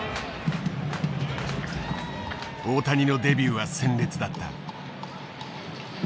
大谷のデビューは鮮烈だった。